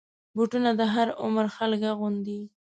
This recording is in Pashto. بوټونه د هر عمر خلک اغوندي.